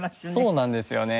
そうなんですよね。